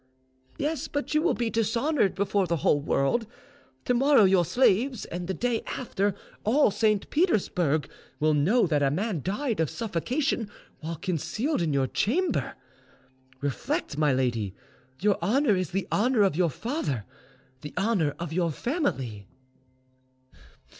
"Yes, but you will be dishonoured before the whole world! To morrow your slaves, and the day after all St. Petersburg, will know that a man died of suffocation while concealed in your chamber. Reflect, my lady: your honour is the honour of your father, the honour of your family."